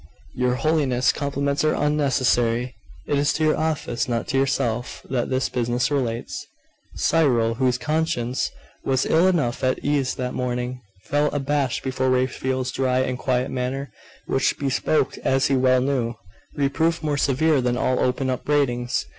'Your Holiness's compliments are unnecessary. It is to your office, not to yourself, that this business relates.' Cyril, whose conscience was ill enough at ease that morning, felt abashed before Raphael's dry and quiet manner, which bespoke, as he well knew, reproof more severe than all open upbraidings.